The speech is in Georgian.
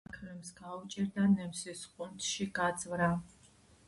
აქლემს გაუჭირდა და ნემსის ყუნწში გაძვრა